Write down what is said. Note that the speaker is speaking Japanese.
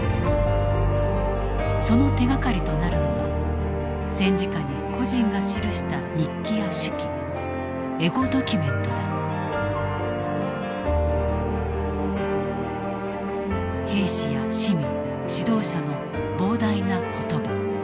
その手がかりとなるのが戦時下に個人が記した日記や手記兵士や市民指導者の膨大な言葉。